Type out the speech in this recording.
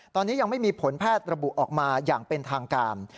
ตอนนี้ยังไม่มีผลแพทย์ระบุออกมาอย่างเป็นทางการ